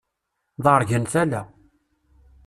Ḍeṛgen tala.